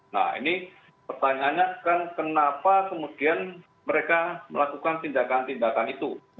nah ini pertanyaannya kan kenapa kemudian mereka melakukan tindakan tindakan itu